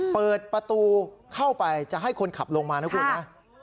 เปิดประตูเข้าไปจะให้คนขับลงมานะคุณนะ